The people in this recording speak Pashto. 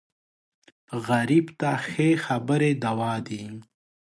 غریب ته ښې خبرې دوا دي